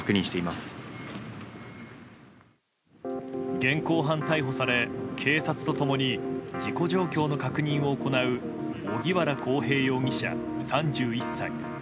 現行犯逮捕され警察と共に事故状況の確認を行う荻原航平容疑者、３１歳。